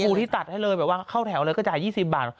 ที่ตัดให้เลยแบบว่าเข้าแถวเลยก็จ่าย๒๐บาท